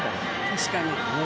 確かに。